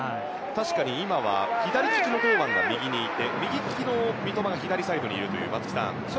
確かに今左利きの堂安が右にいて右利きの三笘が左サイドにいるという。